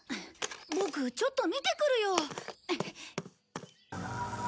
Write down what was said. ボクちょっと見てくるよ。